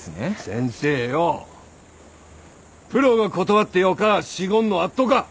先生よぉプロが断ってよか仕事のあっとか？